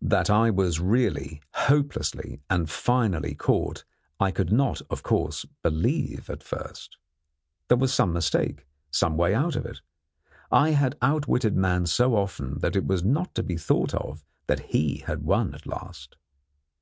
That I was really, hopelessly, and finally caught I could not, of course, believe at first. There was some mistake some way out of it. I had outwitted man so often that it was not to be thought of that he had won at last.